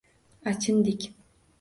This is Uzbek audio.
Achindik.